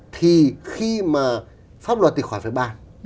thì khi mà pháp luật thì khoảng phải bàn